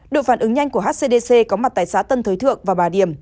đội phản ứng nhanh của hcdc có mặt tại xã tân thới thượng và bà điểm